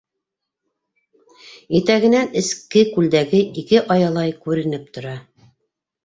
Итәгенән эске күлдәге ике аялай күренеп тора.